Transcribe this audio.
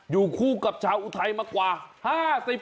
อยู่คู่กับชาวอุทัยมากว่า๕๐ปี